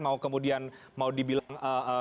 mau kemudian mau dibilang